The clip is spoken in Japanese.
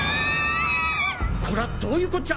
こらどういうこっちゃ！？